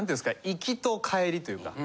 行きと帰りというか。